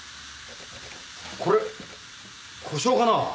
これ故障かな？